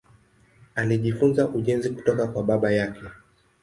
Alijifunza ujenzi kutoka kwa baba yake.